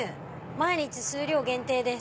「毎日数量限定です」。